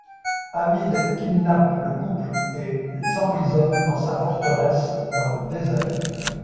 Hamid kidnappe le couple, et les emprisonne dans sa forteresse dans le désert.